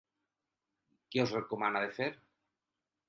Què us recomana de fer?